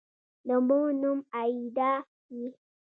د مور نوم «آیدا» وي